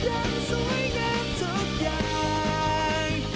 ยังสวยงามทุกอย่าง